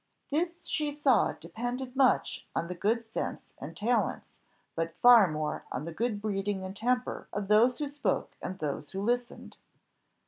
This she saw depended much on the good sense and talents, but far more on the good breeding and temper of those who spoke and those who listened.